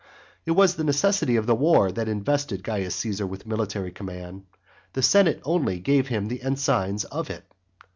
It was the necessity of the war that invested Caius Caesar with military command, the senate only gave him the ensigns of it.